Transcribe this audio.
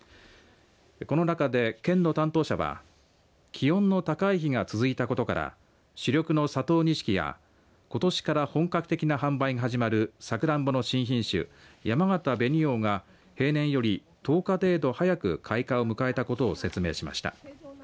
この中で、県の担当者は気温の高い日が続いたことから主力の佐藤錦やことしから本格的な販売が始まるさくらんぼの新品種やまがた紅王が平年より１０日程度早く開花を迎えたことを説明しました。